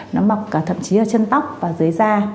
nó mọc thậm chí là chân tóc và dưới da